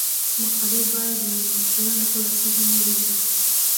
مقالې باید لنډه خلاصه هم ولري.